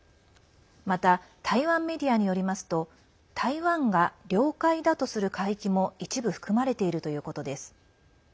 また、台湾メディアによりますと台湾が領海だとする海域も一部含まれているということです。